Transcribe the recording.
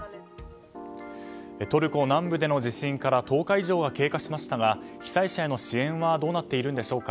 トルコ南部での地震から１０日以上が経過しましたが被災者への支援はどうなっているんでしょうか。